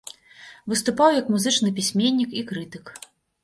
Выступаў як музычны пісьменнік і крытык.